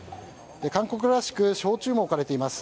韓国らしく焼酎も置かれています。